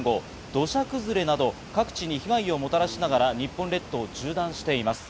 土砂崩れなど各地に被害をもたらしながら日本列島を縦断しています。